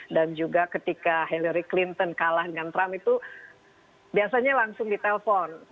dan juga ketika hillary clinton kalah dengan trump itu biasanya langsung ditelpon